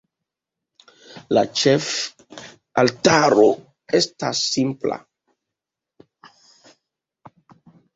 La ĉefaltaro estas simpla.